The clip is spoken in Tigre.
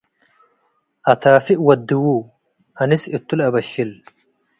አታፍእ ወድዉ፣፡ አንስ እቱ ለአበሽል